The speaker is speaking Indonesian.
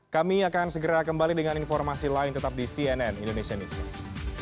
kami akan segera kembali dengan informasi lain tetap di cnn indonesia newscast